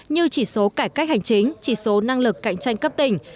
như chỉ số cải cách hành chính chỉ số năng lực cạnh tranh cấp tỉnh